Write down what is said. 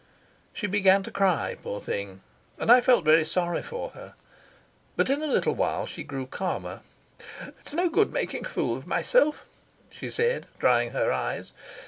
She began to cry, poor thing, and I felt very sorry for her. But in a little while she grew calmer. "It's no good making a fool of myself," she said, drying her eyes.